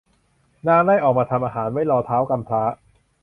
นางได้ออกมาทำอาหารไว้รอท้าวกำพร้า